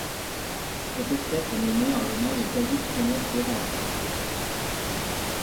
Cette espèce est nommée en l'honneur de David Kenneth Wetherbee.